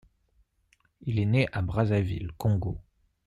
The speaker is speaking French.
Il est né le à Brazzaville, Congo.